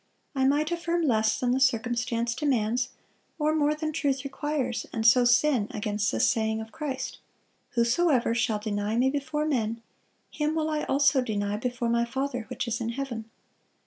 I might affirm less than the circumstance demands, or more than truth requires, and so sin against this saying of Christ: 'Whosoever shall deny Me before men, him will I also deny before My Father which is in heaven.